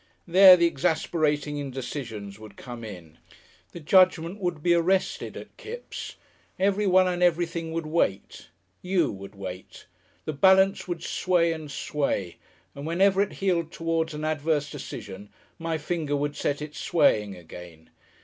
There the exasperating indecisions would come in. The Judgment would be arrested at Kipps. Everyone and everything would wait. You would wait. The balance would sway and sway, and whenever it heeled towards an adverse decision, my finger would set it swaying again.